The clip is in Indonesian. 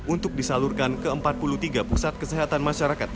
untuk disalurkan ke empat puluh tiga pusat kesehatan masyarakat